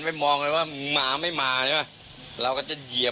พี่สมหมายก็เลย